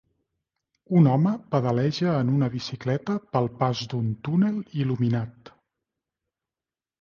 Un home pedaleja en una bicicleta pel pas d'un túnel il·luminat.